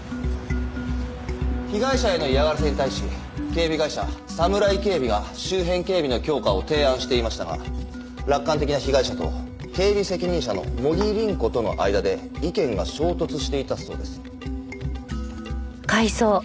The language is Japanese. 被害者への嫌がらせに対し警備会社サムライ警備が周辺警備の強化を提案していましたが楽観的な被害者と警備責任者の茂木凛子との間で意見が衝突していたそうです。